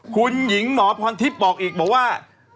คุณหญิงหมอพรทิพย์บอกอีกบอกว่า